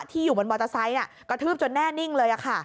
ที่อยู่บนมอเตอร์ไซค์กระทืบจนแน่นิ่งเลยค่ะ